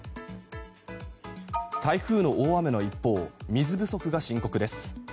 台風の大雨の一方水不足が深刻です。